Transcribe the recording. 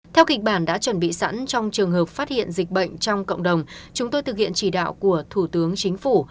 theo kịch bản đã chuẩn bị sẵn trong trường hợp phát hiện dịch bệnh trong cộng đồng chúng tôi thực hiện chỉ đạo của thủ tướng chính phủ